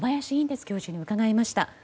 てつ教授に伺いました。